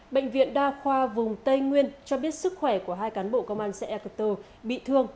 bệnh viện đa khoa vùng tây nguyên cho biết sức khỏe của hai cán bộ công an xã ea cơ tư bị thương